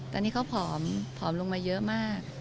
ตอนนี้เขาผอมผอมลงมาเยอะมาก